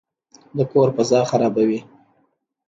د کور فضا خرابوي.